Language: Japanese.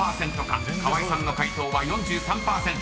［川合さんの解答は４３％］